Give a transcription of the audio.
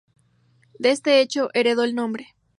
De ese hecho heredó el nombre.